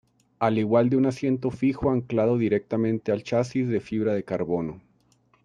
Al igual de un asiento fijo anclado directamente al chasis de fibra de carbono.